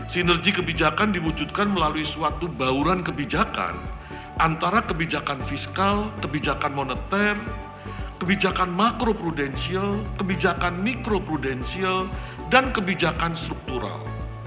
sinergi kebijakan diwujudkan melalui suatu bauran kebijakan antara kebijakan fiskal kebijakan moneter kebijakan makro prudensial kebijakan mikro prudensial dan kebijakan struktural